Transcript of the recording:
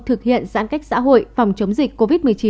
thực hiện giãn cách xã hội phòng chống dịch covid một mươi chín